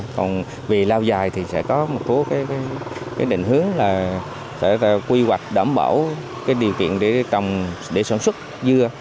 còn về lao dài thì sẽ có một số định hướng là quy hoạch đảm bảo điều kiện để sản xuất dưa